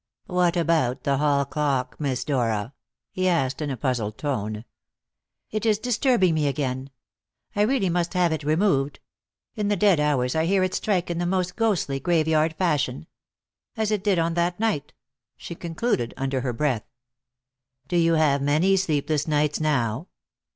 "What about the hall clock, Miss Dora?" he asked in a puzzled tone. "It is disturbing me again. I really must have it removed. In the dead hours I hear it strike in the most ghostly, graveyard fashion. As it did on that night," she concluded under her breath. "Do you have many sleepless nights now?"